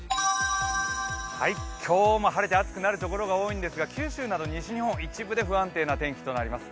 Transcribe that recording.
今日も晴れて暑くなるところが多いんですけど九州など西日本、一部で不安定な天気となります。